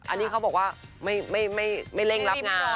อันนี้เขาบอกว่าไม่เร่งรับงาน